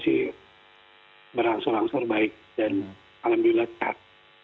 jadi berangsur angsur baik dan alhamdulillah sehat